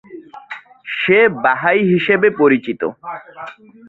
সে Baha'i হিসাবে পরিচিত।